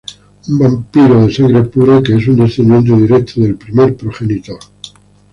Un vampiro de sangre pura que es un descendiente directo del Primer Progenitor.